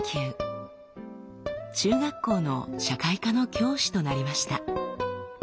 中学校の社会科の教師となりました。